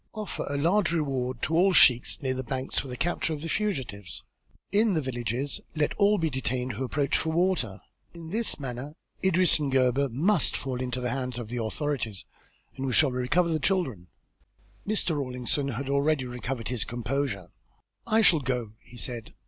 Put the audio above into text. Offer a large reward to the sheiks near the banks for the capture of the fugitives. In the villages let all be detained who approach for water. In this manner Idris and Gebhr must fall into the hands of the authorities and we shall recover the children." Mr. Rawlinson had already recovered his composure. "I shall go," he said.